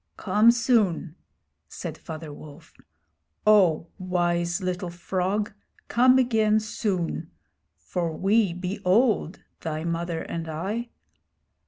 'Come soon!' said Father Wolf. 'Oh, wise little frog, come again soon; for we be old, thy mother and I.'